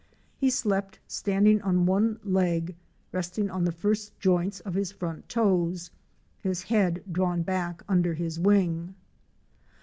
He slept standing on one leg, resting on the first joints of his front toes, his head drawn back behind his wing.